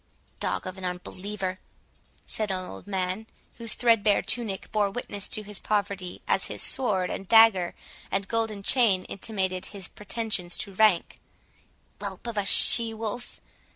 "Dog of an unbeliever," said an old man, whose threadbare tunic bore witness to his poverty, as his sword, and dagger, and golden chain intimated his pretensions to rank,—"whelp of a she wolf!